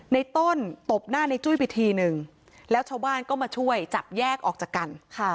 ในต้นตบหน้าในจุ้ยไปทีนึงแล้วชาวบ้านก็มาช่วยจับแยกออกจากกัน